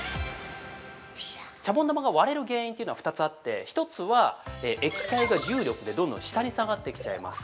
◆シャボン玉が割れる原因というのは２つあって１つは、液体がどんどん重力で下に下がってきちゃいます。